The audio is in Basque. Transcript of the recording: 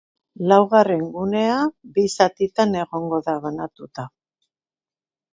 Laugarren gunea bi zatitan egongo da banatuta.